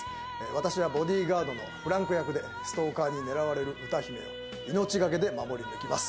私はボディガードのフランク役でストーカーにねらわれる歌姫を命がけで守り抜きます。